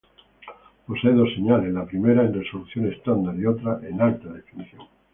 Posee dos señales: la primera en resolución estándar y otra en alta definición.